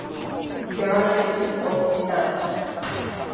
山形県大石田町